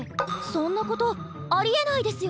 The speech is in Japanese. そんなことありえないですよね？